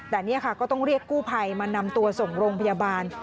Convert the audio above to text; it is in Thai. แต่นี่ค่ะก็ต้องเรียกกู้ภัยมานำตัวส่งโรงพยาบาล